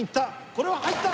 これは入った！